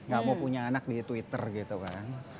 gak mau punya anak di twitter gitu kan